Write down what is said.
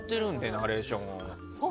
ナレーションを。